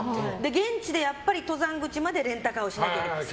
現地でやっぱり登山口までレンタカーしなきゃいけない。